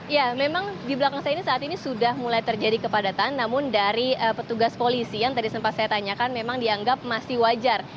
ya memang di belakang saya ini saat ini sudah mulai terjadi kepadatan namun dari petugas polisi yang tadi sempat saya tanyakan memang dianggap masih wajar